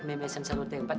memmesan suatu tempat